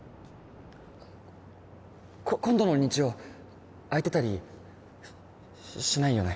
こ今度の日曜空いてたりししないよね？